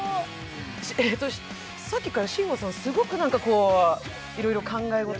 さっきから慎吾さん、すごくいろいろ考え事？